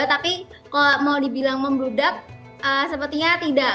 tapi kalau mau dibilang membludak sepertinya tidak